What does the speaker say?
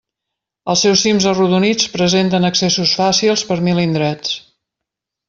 Els seus cims arrodonits presenten accessos fàcils per mil indrets.